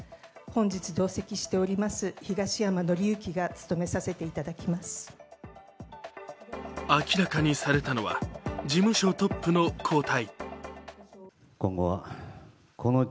そして明らかにされたのは事務所トップの交代。